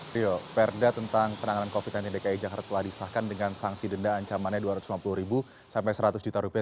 rio perda tentang penanganan covid sembilan belas dki jakarta telah disahkan dengan sanksi denda ancamannya rp dua ratus lima puluh sampai seratus juta rupiah